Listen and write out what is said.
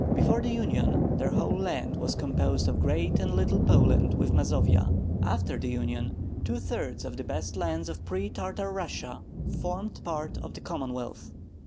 Before the union their whole land was composed of Great and Little Poland, with Mazovia (see map); after the union two thirds of the best lands of pre Tartar Russia formed part of the Commonwealth.